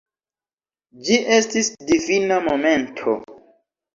Ĝi estis difina momento.